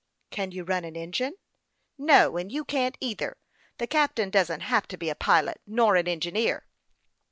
" Can you run an engine ?"" No ; and you can't, either. The captain doesn't have to be a pilot, nor an engineer."